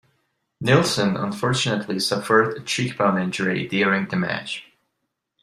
Neilson unfortunately suffered a cheekbone injury during the match.